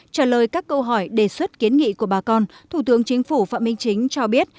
trả lời các câu hỏi đề xuất kiến nghị của bà con thủ tướng chính phủ phạm minh chính cho biết